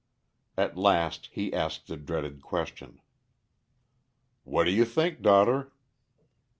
At last he asked the dreaded question. "What do you think, daughter?"